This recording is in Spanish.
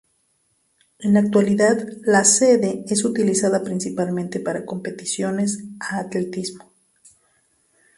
En la actualidad la sede es utilizada principalmente para competiciones a atletismo.